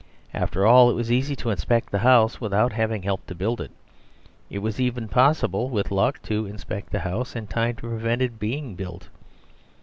After all, it was easy to inspect the house without having helped to build it; it was even possible, with luck, to inspect the house in time to prevent it being built.